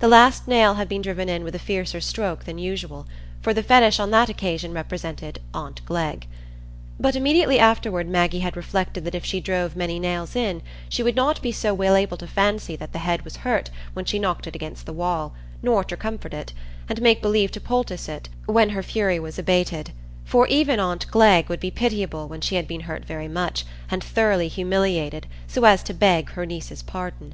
The last nail had been driven in with a fiercer stroke than usual, for the Fetish on that occasion represented aunt Glegg. But immediately afterward Maggie had reflected that if she drove many nails in she would not be so well able to fancy that the head was hurt when she knocked it against the wall, nor to comfort it, and make believe to poultice it, when her fury was abated; for even aunt Glegg would be pitiable when she had been hurt very much, and thoroughly humiliated, so as to beg her niece's pardon.